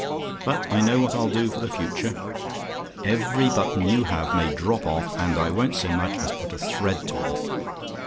"But I know what I'll do for the future. Every button you have may drop off, and I won't so much as put a thread to 'em.